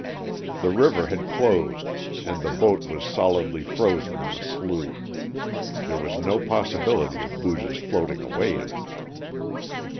The river had closed and the boat was solidly frozen in the slough. There was no possibility of Booge's floating away in it.